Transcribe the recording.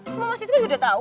semua mahasiswa juga udah tau